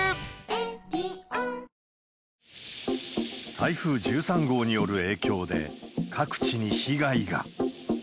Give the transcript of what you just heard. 台風１３号による影響で、各地に被害が。